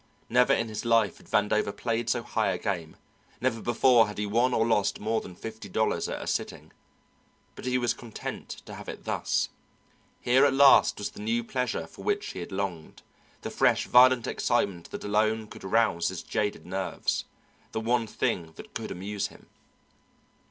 Never in his life had Vandover played so high a game, never before had he won or lost more than fifty dollars at a sitting. But he was content to have it thus. Here at last was the new pleasure for which he had longed, the fresh violent excitement that alone could rouse his jaded nerves, the one thing that could amuse him.